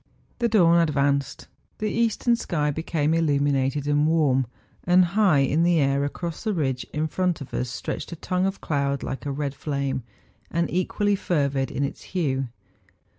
The dawn advanced. The eastern sky became illuminated and warm, and high in the air across the ridge in front of us stretched a tongue of cloud like a red flame, and equally fervid in its hue.